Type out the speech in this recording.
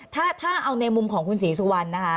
ถ้าเอาในมุมของคุณศรีสุวรรณนะคะ